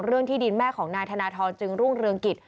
ที่ดินแม่ของนายธนทรจึงรุ่งเรืองกิจ